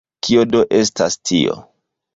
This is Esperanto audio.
Kio do estas tio?